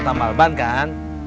tambal ban kan